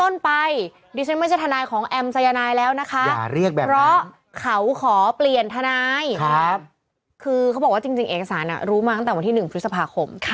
อย่าเรียกแบบนั้นเพราะเขาขอเปลี่ยนทนายคือเขาบอกว่าจริงเอกสารรู้มาตั้งแต่วันที่๑พฤษภาคม